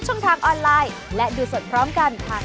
ลาไปแล้วสวัสดีครับ